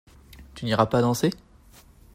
Tu n'iras pas danser ?